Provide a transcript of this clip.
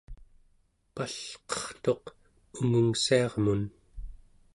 palqertuq ungungssiarmun